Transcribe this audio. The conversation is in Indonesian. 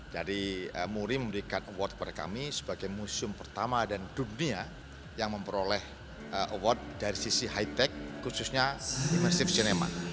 jadi muri memberikan award kepada kami sebagai museum pertama dan dunia yang memperoleh award dari sisi high tech khususnya immersive cinema